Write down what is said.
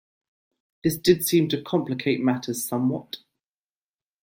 This did seem to complicate matters somewhat.